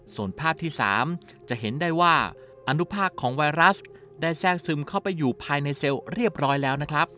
ส่วนภาพที่๓จะเห็นได้ว่าอนุภาคของไวรัสได้แทรกซึมเข้าไปอยู่ภายในเซลล์เรียบร้อยแล้วนะครับ